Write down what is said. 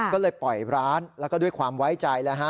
ก็เลยปล่อยร้านแล้วก็ด้วยความไว้ใจแล้วฮะ